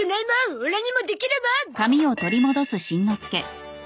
オラにもできるもん！